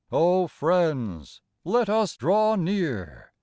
O friends, let us draw near